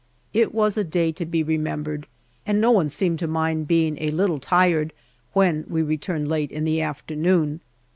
It was a day to be remembered, and no one seemed to mind being a little tired when we returned late in the afternoon.